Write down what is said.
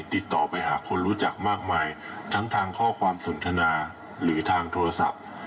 ติดต่อไปหาคนรู้จักมากมายทั้งทางข้อความสนทนาหรือทางโทรศัพท์